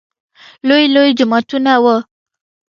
لوى لوى جوماتونه وو.